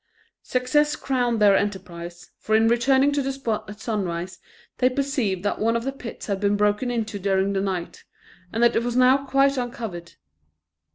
Success crowned their enterprise, for in returning to the spot at sunrise, they perceived that one of the pits had been broken into during the night, and that it was now quite uncovered.